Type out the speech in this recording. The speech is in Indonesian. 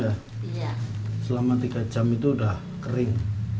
ya selama tiga jam itu sudah kering